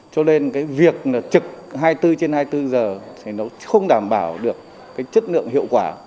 cho nên cái việc là trực hai mươi bốn trên hai mươi bốn giờ thì nó không đảm bảo được cái chất lượng hiệu quả